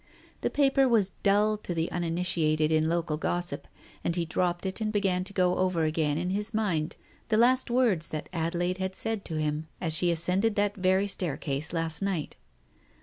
The paper was dull to the uninitiated in local gossip, and he dropped it and began to go over again in his mind the last words that Adelaide had said to him as she ascended that very staircase last night.